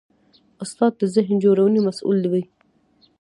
استاد د ذهن جوړونې مسوول وي.